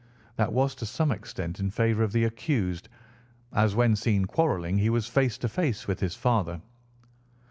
That was to some extent in favour of the accused, as when seen quarrelling he was face to face with his father.